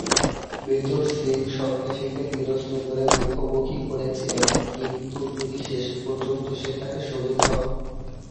Major Singh সন্ত্রাসীকে নিরস্ত্র করে মুখোমুখি করেছিলেন কিন্তু তিনি শেষপর্যন্ত সেখানে শহীদ হন।